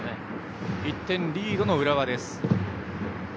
１点リードの浦和。